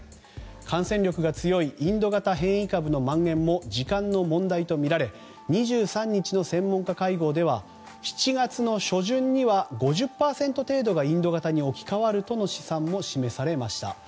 感染力が強いインド型変異株のまん延も時間の問題とみられ２３日の専門家会合では７月の初旬には５０％程度がインド型に置き換わるとの試算も示されました。